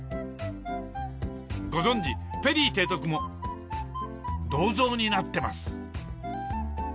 ご存じペリー提督も銅像になってます。